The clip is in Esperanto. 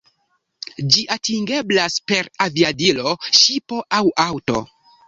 Ĝi atingeblas per aviadilo, ŝipo aŭ aŭto.